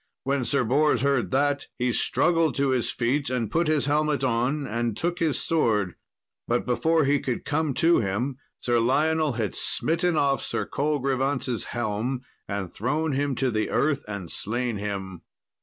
When Sir Bors heard that, he struggled to his feet, and put his helmet on, and took his sword. But before he could come to him, Sir Lionel had smitten off Sir Colgrevance's helm, and thrown him to the earth and slain him.